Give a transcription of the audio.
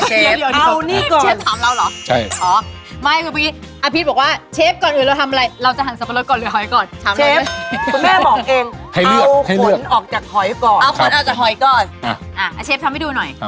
อ่ะอ่ะเชฟทำให้ดูหน่อยทำให้ดูหน่อย